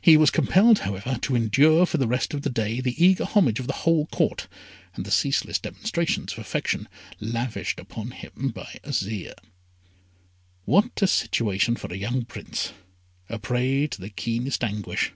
He was compelled, however, to endure for the rest of the day the eager homage of the whole Court, and the ceaseless demonstrations of affection lavished upon him by Azire. What a situation for a young Prince, a prey to the keenest anguish.